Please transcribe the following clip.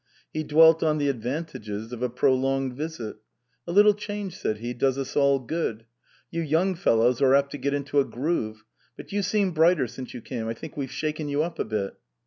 He dwelt on the advantages of a prolonged visit. "A little change," said he, " does us all good. You young fellows are apt to get into a groove. But you seem brighter since you came. I think we've shaken you up a bit."